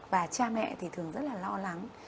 và cha mẹ thì thường rất là lo lắng